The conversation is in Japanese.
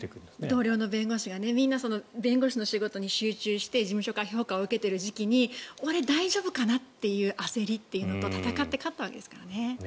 同僚の弁護士がみんな弁護士の仕事に集中して事務所から評価を受けている時期に俺、大丈夫かなという焦りというのと戦って勝ったわけですからね。